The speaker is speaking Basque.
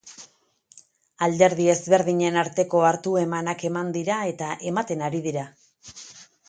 Alderdi ezberdinen arteko hartu-emanak eman dira eta ematen ari dira.